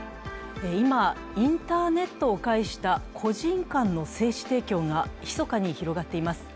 今、インターネットを介した個人間の精子提供が密かに広がっています。